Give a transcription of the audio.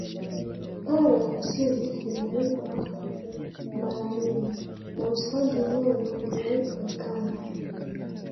Pare ya kusini linaitwa Malameni na Usangi Mwero linaitwa Ikamba